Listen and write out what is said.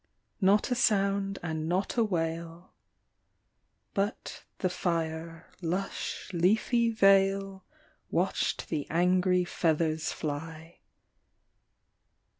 — Not a sound and not a wail ... But the fire (lush leafy vale) Watched the angry feathers fly